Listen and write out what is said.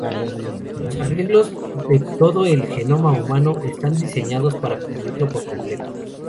Los arreglos de todo el genoma humano están diseñados para cubrirlo por completo.